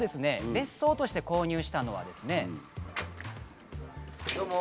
別荘として購入したのはですね。